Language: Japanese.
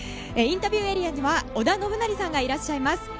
インタビューエリアには織田信成さんがいらっしゃいます。